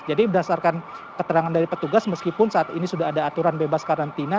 jadi berdasarkan keterangan dari petugas meskipun saat ini sudah ada aturan bebas karantina